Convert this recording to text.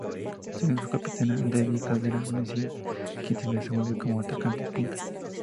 Siendo su capitana Debbie Saavedra Mesías, quien se desenvuelve como atacante punta.